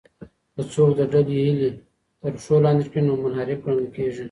که څوک د ډلې هیلې تر پښو لاندې کړي نو منحرف ګڼل کیږي.